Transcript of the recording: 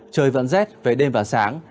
trời vẫn rét về đêm và sáng